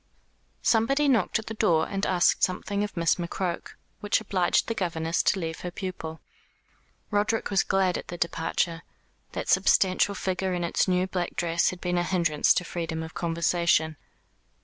Somebody knocked at the door and asked something of Miss McCroke, which obliged the governess to leave her pupil. Roderick was glad at her departure, That substantial figure in its new black dress had been a hinderance to freedom of conversation.